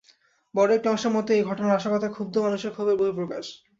বড় একটি অংশের মত, এ ঘটনা নাশকতায় ক্ষুব্ধ মানুষের ক্ষোভের বহিঃপ্রকাশ।